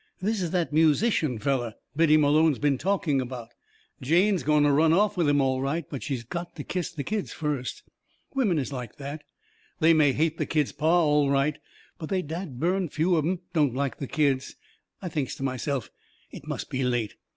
This is that musician feller Biddy Malone's been talking about. Jane's going to run off with him all right, but she's got to kiss the kids first. Women is like that. They may hate the kids' pa all right, but they's dad burned few of 'em don't like the kids. I thinks to myself: "It must be late.